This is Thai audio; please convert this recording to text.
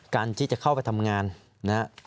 การที่จะเข้าไปทำงานนะครับ